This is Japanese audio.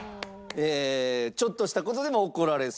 ちょっとした事でも怒られそう。